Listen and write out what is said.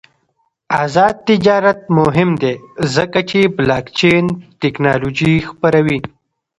آزاد تجارت مهم دی ځکه چې بلاکچین تکنالوژي خپروي.